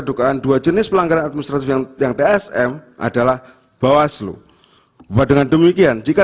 dugaan dua jenis pelanggaran administratif yang tsm adalah bawaslu bahwa dengan demikian jika